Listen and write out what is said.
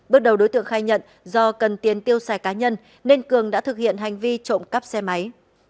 bước đầu đối tượng khai nhận do cần tiền tiêu xài cá nhân nên cường đã thực hiện hành vi trộm cắp xe máy